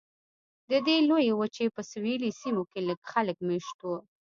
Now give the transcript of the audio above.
د دې لویې وچې په سویلي سیمو کې لږ خلک مېشت وو.